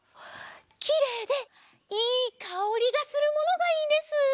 きれいでいいかおりがするものがいいんです。